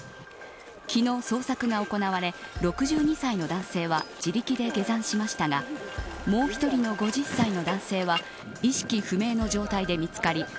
昨日、捜索が行われ６２歳の男性は自力で下山しましたがもう１人の５０歳の男性は意識不明の状態で見つかり